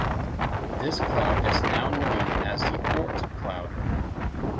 This cloud is now known as the Oort Cloud.